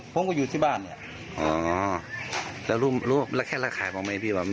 ผมก็อยู่ที่บ้านเนี่ยอ๋อแล้วรู้รู้แล้วแค่ระคายผมไหมพี่ว่า